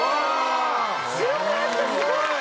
白くなってるすごい！